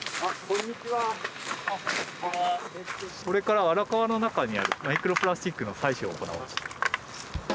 これから荒川の中にあるマイクロプラスチックの採取を行おうと。